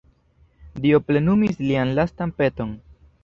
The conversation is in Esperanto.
Dio plenumis lian lastan peton.